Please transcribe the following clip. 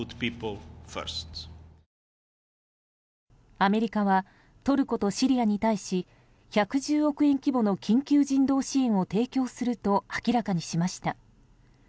アメリカはトルコとシリアに対し１１０億円規模の緊急人道支援を提供すると明らかにしました。